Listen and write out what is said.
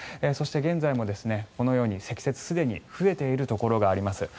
そして現在の雪がこのように積雪が増えているところがあります。